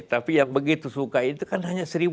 tapi yang begitu suka itu kan hanya satu dua ratus orang